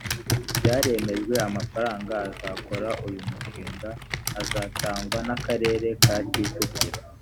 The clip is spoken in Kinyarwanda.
byaremejwe amafaranga azakora uyu mushinga azatangwa n akarere ka kicukiro